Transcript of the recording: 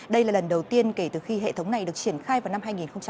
đây là lần đầu tiên kể từ khi hệ thống này được triển khai vào năm hai nghìn một mươi